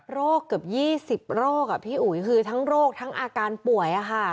เกือบ๒๐โรคพี่อุ๋ยคือทั้งโรคทั้งอาการป่วย